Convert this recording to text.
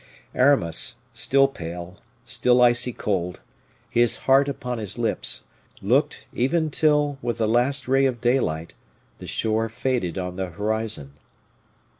Aramis, still pale, still icy cold, his heart upon his lips, looked, even till, with the last ray of daylight, the shore faded on the horizon.